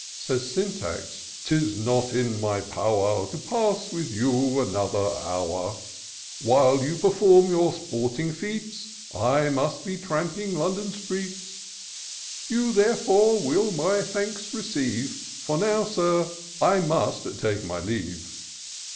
257 Says Syntax, " Tis not in my power To pass with you another hour ; While you perform your sporting feats, I must be tramping London streets : You, therefore, will my thanks receive, For now, Sir, I must take my leave."